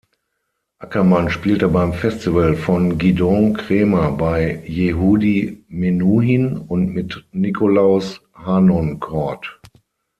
Ackermann spielte beim Festival von Gidon Kremer, bei Yehudi Menuhin und mit Nikolaus Harnoncourt.